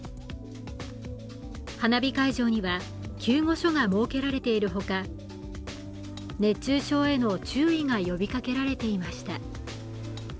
花火会場には、救護所が設けられている他熱中症への注意が呼びかけられていました。